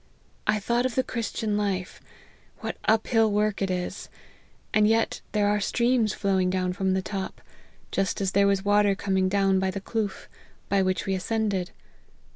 I thought of the Christian life, what uphill work it is, and yet there are streams flowing down from the top, just as there was water coming down by the Kloof, by which we ascended.